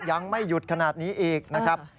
ยังไม่หยุดขนาดนี้อีกนะครับ